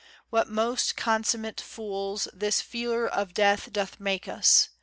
What most consummate fools This fear of death doth make us!